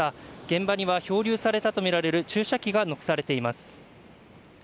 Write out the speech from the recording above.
現場には漂流されたとみられる注射器が残されています。